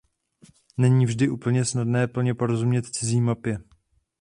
Není vždy úplně snadné plně porozumět cizí mapě.